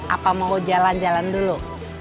apa mau jalan jalan dulu